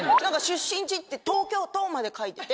出身地東京都まで書いてて。